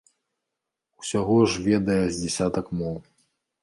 Усяго ж ведае з дзясятак моў.